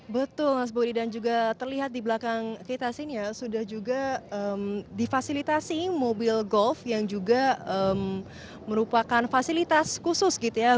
betul mas budi dan juga terlihat di belakang kita sini ya sudah juga difasilitasi mobil golf yang juga merupakan fasilitas khusus gitu ya